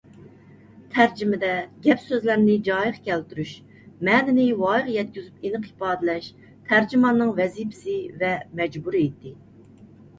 تەرجىمىدە گەپ - سۆزلەرنى جايىغا كەلتۈرۈش، مەنىنى ۋايىغا يەتكۈزۈپ ئېنىق ئىپادىلەش تەرجىماننىڭ ۋەزىپىسى ۋە مەجبۇرىيىتى.